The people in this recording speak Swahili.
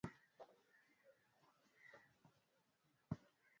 hivyo nguvu zake za kukabiliana na uchawi hudhaniwa inatokana na ufahamu wake wa uchawi